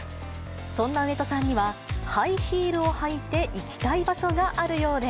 そんな上戸さんにはハイヒールを履いて行きたい場所があるようで。